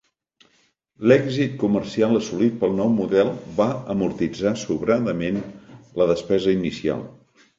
L'èxit comercial assolit pel nou model va amortitzar sobradament la despesa inicial.